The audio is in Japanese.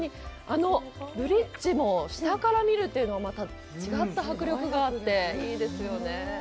あのブリッジも下から見るというのはまた違った迫力があって、いいですよね。